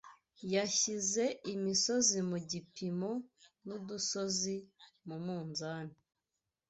yashyize imisozi mu gipimo, n’udusozi mu munzani